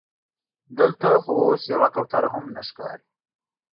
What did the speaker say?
دلته خو اوس یوه کوتره هم نه ښکاري.